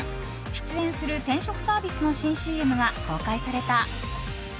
出演する転職サービスの新ＣＭが公開された。